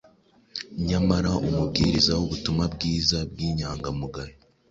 Nyamara umubwiriza w’ubutumwa bwiza w’inyangamugayo